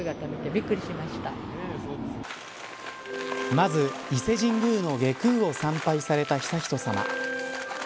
まず、伊勢神宮の外宮を参拝された悠仁さま。